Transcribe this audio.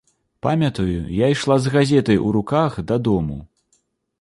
Памятаю, я ішла з газетай у руках дадому.